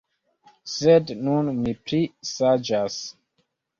Sed nun mi pli saĝas.